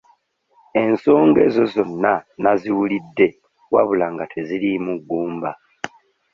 Ensonga ezo zonna nnaziwulidde wabula nga teziriimu ggumba.